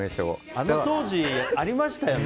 あの当時、ありましたよね